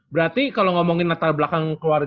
berarti kalo ngomongin latar belakang keluarga lu